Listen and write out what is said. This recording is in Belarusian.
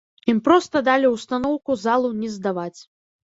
Ім проста далі ўстаноўку залу не здаваць.